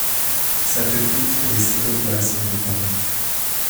ça te coûte les cytoplasmes de ta main.